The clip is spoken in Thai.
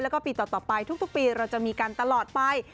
แล้วก็ปีต่อไปทุกปีเราจะมีกันตลอดไป